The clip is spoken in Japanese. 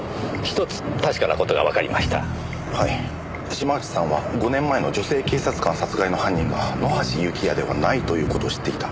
島内さんは５年前の女性警察官殺害の犯人が野橋幸也ではないという事を知っていた。